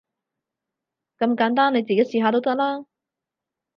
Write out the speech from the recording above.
咁簡單，你自己試下都得啦